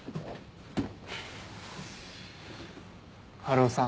春尾さん。